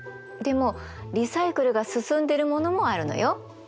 でもリサイクルが進んでるものもあるのよ。